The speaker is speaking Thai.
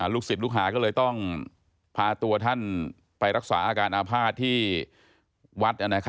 ลูกศิษย์ลูกหาก็เลยต้องพาตัวท่านไปรักษาอาการอาภาษณ์ที่วัด